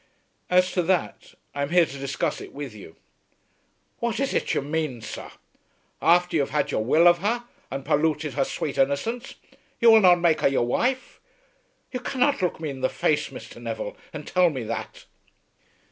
"As to that, I am here to discuss it with you." "What is it you main, sir? Afther you have had your will of her, and polluted her sweet innocence, you will not make her your wife! You cannot look me in the face, Mr. Neville, and tell me that."